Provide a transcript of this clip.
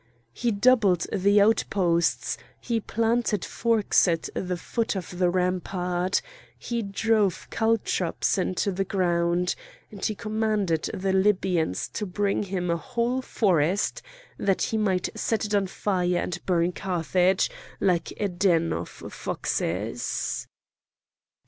He doubled the outposts, he planted forks at the foot of the rampart, he drove caltrops into the ground, and he commanded the Libyans to bring him a whole forest that he might set it on fire and burn Carthage like a den of foxes.